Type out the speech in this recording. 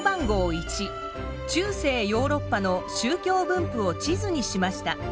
１中世ヨーロッパの宗教分布を地図にしました。